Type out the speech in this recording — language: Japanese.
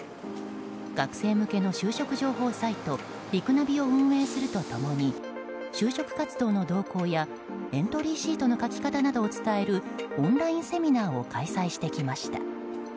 学生向けの就職情報サイトリクナビを運営すると共に就職活動の動向やエントリーシートの書き方などを伝えるオンラインセミナーを開催してきました。